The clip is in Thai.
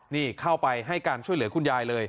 นี่เข้าไปให้การช่วยเหลือคุณยายเลย